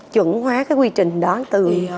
chuẩn hóa cái quy trình đó từ